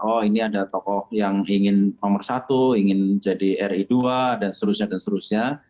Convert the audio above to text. oh ini ada tokoh yang ingin nomor satu ingin jadi ri dua dan seterusnya dan seterusnya